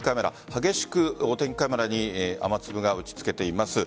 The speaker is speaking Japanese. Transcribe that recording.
激しくお天気カメラに雨粒が打ち付けています。